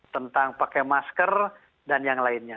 tentang pakai masker dan yang lainnya